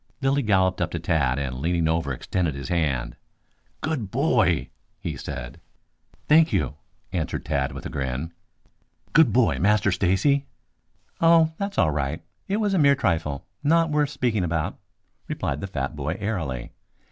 Lilly galloped up to Tad and leaning over extended his hand. "Good boy!" he said. "Thank you," answered Tad with a grin. "Good boy, Master Stacy!" "Oh, that's all right. It was a mere trifle, not worth speaking about," replied the fat boy airily.